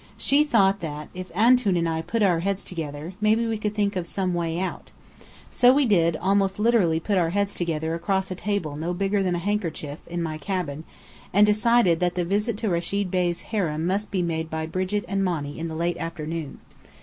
She thought that, if Antoun and I "put our heads together," maybe we could think of "some way out." So we did, almost literally put our heads together across a table no bigger than a handkerchief, in my cabin: and decided that the visit to Rechid Bey's harem must be made by Brigit and Monny in the late afternoon.